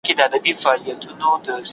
زه د پنیر لرونکي سپک خواړه خوښوم.